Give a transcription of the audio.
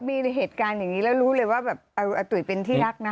มีเหตุการณ์อย่างนี้แล้วรู้เลยว่าแบบอาตุ๋ยเป็นที่รักนะ